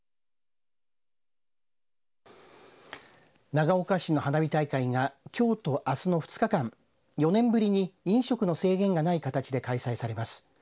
長岡市の花火大会がきょうとあすの２日間４年ぶりに飲食の制限がない形で開催されます。